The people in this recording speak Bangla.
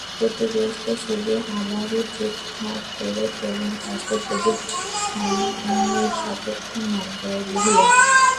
ক্ষতিগ্রস্ত ছবি আবারও ঠিকঠাক করে তোলার কাজটা শুধু সময়সাপেক্ষ নয়, ব্যয়বহুলও।